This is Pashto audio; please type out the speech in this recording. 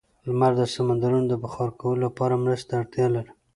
لمر د سمندرونو د بخار کولو لپاره مرستې ته اړتیا لري.